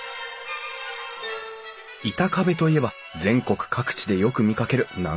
板壁といえば全国各地でよく見かける南京下見板張り。